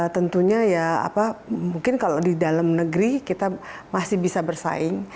tentunya ya apa mungkin kalau di dalam negeri kita masih bisa bersaing